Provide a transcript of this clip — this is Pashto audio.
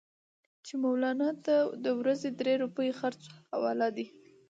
چې مولنا ته د ورځې درې روپۍ خرڅ حواله دي.